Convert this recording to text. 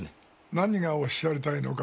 何がおっしゃりたいのか